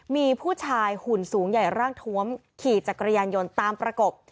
มีผู้ชายหุ่นสูงใหญ่ร่างทวมขี่จักรยานยนต์ตามประกบ